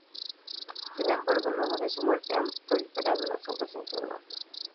Sin embargo, luego de su muerte, han proliferado las obras en su honor.